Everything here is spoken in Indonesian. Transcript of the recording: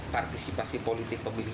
partisipasi politik pemilih